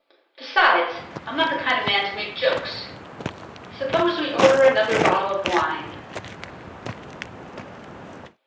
Besides, I'm not the kind of man to make jokes. Suppose we order another bottle of wine?..."